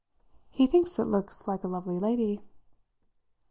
"He thinks it looks like a lovely lady."